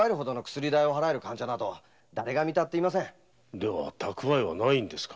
では蓄えはないんですか。